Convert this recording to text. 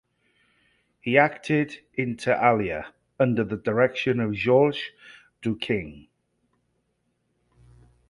He acted, inter alia, under the direction of Georges Douking.